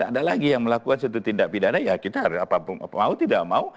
ada lagi yang melakukan suatu tindak pidana ya kita harus mau tidak mau